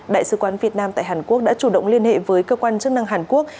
đại sứ quán việt nam tại hàn quốc đã chủ động liên hệ với cơ quan chức năng hàn quốc